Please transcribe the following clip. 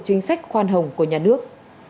chính sách khoan hồng của nhà nước